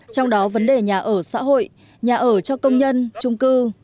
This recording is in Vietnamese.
trong đó vấn đề nhà ở xã hội nhà ở cho công nhân trung cư